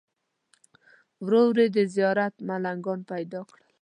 ورو ورو دې زیارت ملنګان پیدا کړل.